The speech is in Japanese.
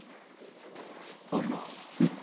森野。